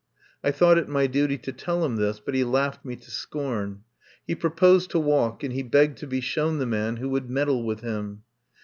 I thought it my duty to tell him this, but he laughed me to scorn. He proposed to walk, and he begged to be shown the man who would meddle with him.